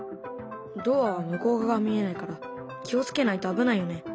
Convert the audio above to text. ドアは向こう側が見えないから気を付けないと危ないよね。